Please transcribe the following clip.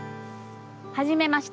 はじめまして。